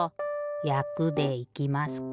やくでいきますか。